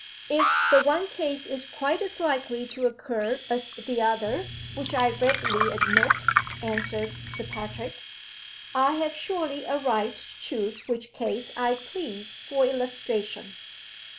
"If the one case is quite as likely to occur as the other (which I readily admit)," answered Sir Patrick, "I have surely a right to choose which case I please for illustration.